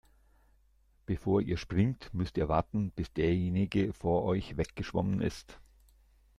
Bevor ihr springt, müsst ihr warten, bis derjenige vor euch weggeschwommen ist.